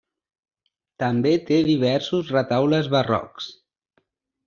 També té diversos retaules barrocs.